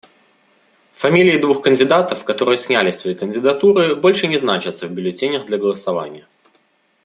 Фамилии двух кандидатов, которые сняли свои кандидатуры, больше не значатся в бюллетенях для голосования.